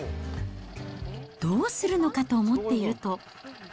どうするのかと思っていると。